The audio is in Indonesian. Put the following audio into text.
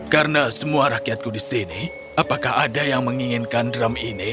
karena semua rakyatku di sini apakah ada yang menginginkan drum ini